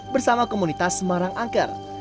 bersama komunitas semarang angker